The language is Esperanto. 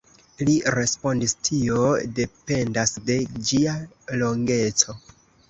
Li respondis: Tio dependas de ĝia longeco.